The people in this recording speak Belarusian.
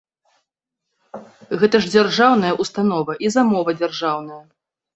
Гэта ж дзяржаўная ўстанова і замова дзяржаўная.